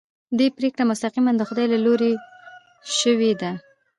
دې پرېکړه مستقیماً د خدای له لوري شوې ده.